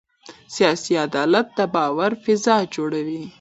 سیاسي عدالت د باور فضا جوړوي